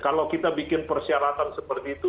kalau kita bikin persyaratan seperti itu